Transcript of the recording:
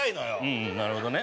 うんうんなるほどね。